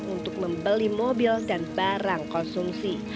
untuk membeli mobil dan barang konsumsi